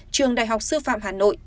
trường đại học sư phạm hà nội